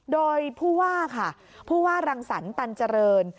โดยผู้ว่าค่ะผู้ว่ารังสรรตันเจริญ